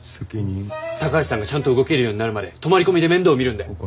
高橋さんがちゃんと動けるようになるまで泊まり込みで面倒見るんで。